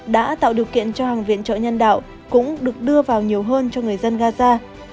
đã tạo điều kiện cho hàng viện trợ nhân đạo cũng được đưa vào nhiều hơn cho người dân gaza